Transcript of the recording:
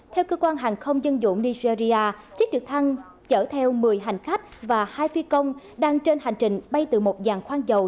theo cơ quan hàng không dân dụng nigeria chiếc trực thăng chở theo một mươi hành khách và hai phi công đang trên hành trình bay từ một dàn khoan dầu